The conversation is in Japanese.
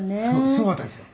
「すごかったですよ」